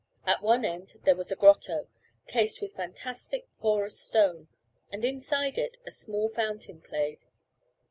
At one end there was a grotto, cased with fantastic porous stone, and inside it a small fountain played.